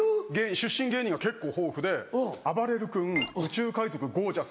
出身芸人が結構豊富であばれる君宇宙海賊ゴー☆ジャス